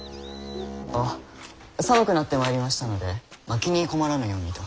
あっ寒くなってまいりましたのでまきに困らぬようにと。